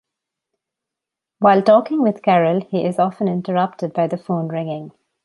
While talking with Carol, he is often interrupted by the phone ringing.